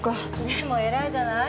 でも偉いじゃない。